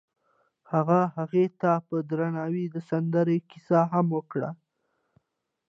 هغه هغې ته په درناوي د سمندر کیسه هم وکړه.